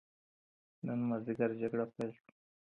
نن ماځیګر جګړه پيل سوه.